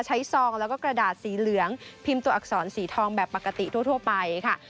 ซองแล้วก็กระดาษสีเหลืองพิมพ์ตัวอักษรสีทองแบบปกติทั่วไปค่ะ